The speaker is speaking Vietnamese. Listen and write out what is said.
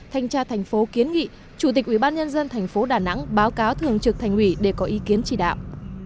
thanh tra thành phố kiến nghị chủ tịch ủy ban nhân dân thành phố đà nẵng báo cáo thường trực thành ủy để có ý kiến chỉ đạo